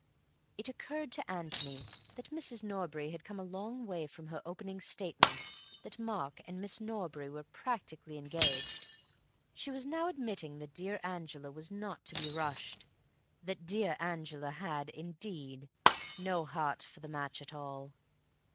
It occurred to Antony that Mrs. Norbury had come a long way from her opening statement that Mark and Miss Norbury were practically engaged. She was now admitting that dear Angela was not to be rushed, that dear Angela had, indeed, no heart for the match at all.